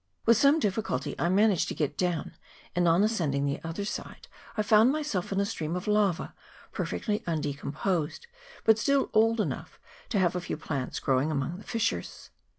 With some difficulty I managed to get down ; and, on ascending the other 352 MR. BIDWILL'S ASCENT [PART n. side, I found myself in a stream of lava, perfectly undecomposed, but still old enough to have a few plants growing among the fissures.